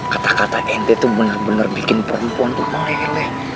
kata kata ente tuh bener bener bikin perempuan tuh meleleh